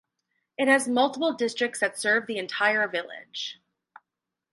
It has multiple districts that serve the entire village.